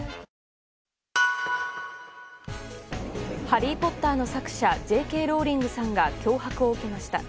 「ハリー・ポッター」の作者Ｊ・Ｋ・ローリングさんが脅迫を受けました。